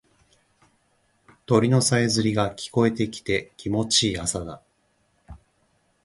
鳥のさえずりが聞こえてきて気持ちいい朝だ。